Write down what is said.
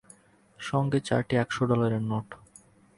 সঙ্গে চারটি এক শ ডলারের নোট।